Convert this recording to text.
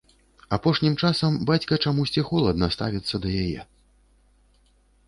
Апошнім часам бацька чамусьці холадна ставіцца да яе.